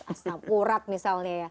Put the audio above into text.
asam urat misalnya ya